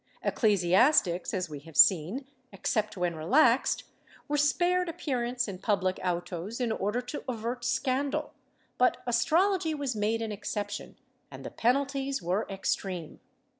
Ecclesiastics, as we have seen, except when relaxed, were spared appearance in public autos in order to avert scandal, but astrology was made an exception and the penalties were extreme.